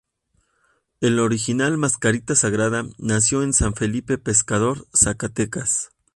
El original Mascarita Sagrada nació en San Felipe Pescador, Zacatecas.